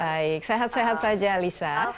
baik sehat sehat saja alisa